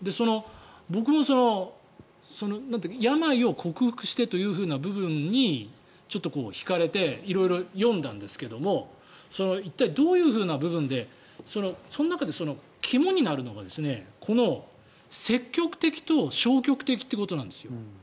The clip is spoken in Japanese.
僕も病を克服してという部分にちょっと引かれて色々読んだんですけど一体どういう部分でその中で肝になるのがこの、積極的と消極的っていうことなんですよ。